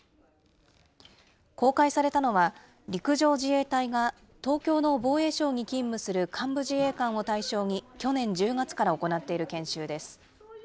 公開されたのは、陸上自衛隊が東京の防衛省に勤務する幹部自衛官を対象に、去年１０月から行っている研修です。